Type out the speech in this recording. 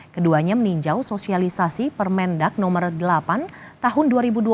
keduanya meninjau sosialisasi permendak no delapan tahun dua ribu dua puluh